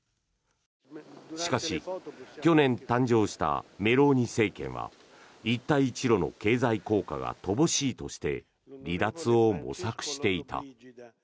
しかし、去年誕生したメローニ政権は一帯一路の経済効果が乏しいとして離脱を模索していた。